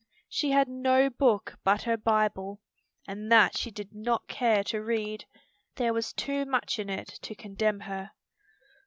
She had no book but her Bible, and that she did not care to read; there was too much in it to condemn her.